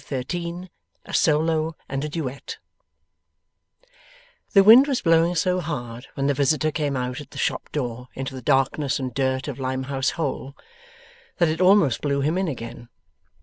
Chapter 13 A SOLO AND A DUETT The wind was blowing so hard when the visitor came out at the shop door into the darkness and dirt of Limehouse Hole, that it almost blew him in again.